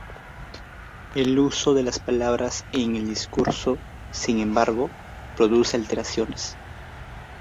El uso de las palabras en el discurso, sin embargo, produce alteraciones.